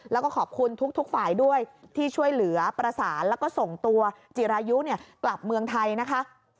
แล้วก็ขอบคุณทุกฝ่ายด้วยที่ช่วยเหลือประสานแล้วก็ส่งตัวจิรายุกลับเมืองไทยนะคะ